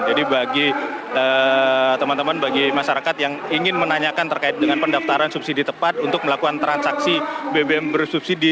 jadi bagi teman teman bagi masyarakat yang ingin menanyakan terkait dengan pendaftaran subsidi tepat untuk melakukan transaksi bbm bersubsidi